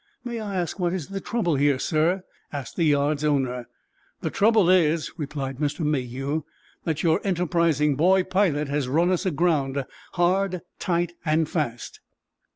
"May I ask what is the trouble here, sir?" asked the yard's owner. "The trouble is," replied Mr. Mayhew, "that your enterprising boy pilot has run us aground—hard, tight and fast!"